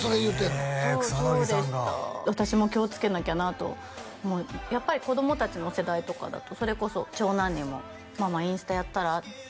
え草さんが私も気をつけなきゃなとやっぱり子供達の世代とかだとそれこそ長男にもママインスタやったら？